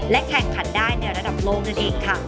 แข่งขันได้ในระดับโลกนั่นเองค่ะ